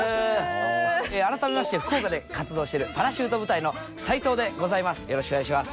改めまして福岡で活動しているパラシュート部隊の斉藤でございます。